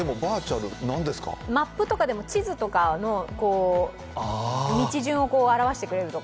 マップとかでも地図とかの道順を表してくれるとか？